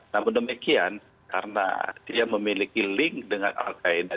namun demikian karena dia memiliki link dengan al qaeda